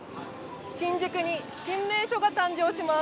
新宿に新名所が誕生します。